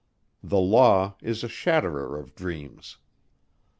The Law is a shatterer of dreams.